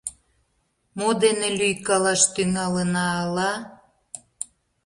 Мо дене лӱйкалаш тӱҥалына ала?..